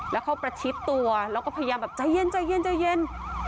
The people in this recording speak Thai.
แล้วเขาประชิดตัวแล้วก็พยายามแบบใจเย็นใจเย็น